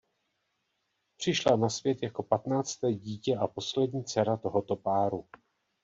Přišla na svět jako patnácté dítě a poslední dcera tohoto páru.